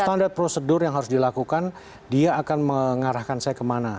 standar prosedur yang harus dilakukan dia akan mengarahkan saya kemana